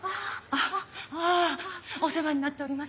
あお世話になっております。